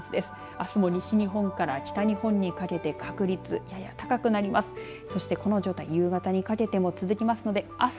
あすも西日本から北日本にかけて確率、やや高くなります。